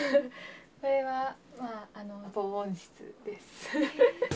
これは防音室です。